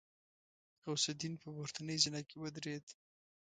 غوث الدين په پورتنۍ زينه کې ودرېد.